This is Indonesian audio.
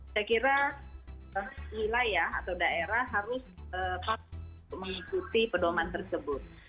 saya kira wilayah atau daerah harus mengikuti pedoman tersebut